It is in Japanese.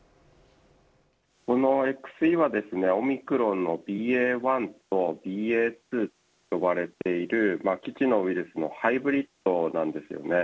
このＸＥはオミクロンのＢＡ．１とＢＡ．２と呼ばれている既知のウイルスのハイブリッドなんです。